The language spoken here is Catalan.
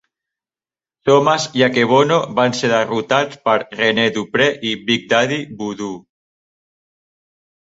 Thomas i Akebono van ser derrotats per Rene Dupree i Big Daddy Voodoo.